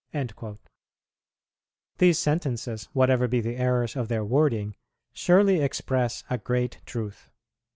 "[88:1] These sentences, whatever be the errors of their wording, surely express a great truth.